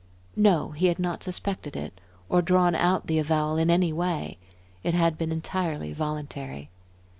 No, he had not suspected it, or drawn out the avowal in any way. It had been entirely voluntary.